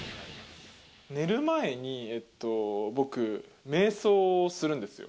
寝る前に僕、めい想するんですよ。